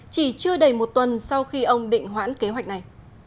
chỉ chưa đầy một tuần sau khi ông định hoãn kế hoạch này